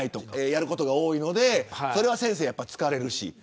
やることが多いのでそれは疲れるし。